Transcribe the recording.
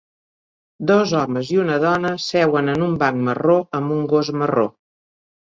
Dos homes i una dona seuen en un banc marró amb un gos marró